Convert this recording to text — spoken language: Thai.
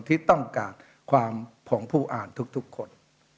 ที่ต้องการความของผู้อ่านทุกคน